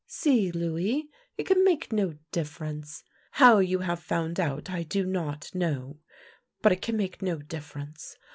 See, Louis. It can make no difference. How you have found out I do not. know, but it can make no difference.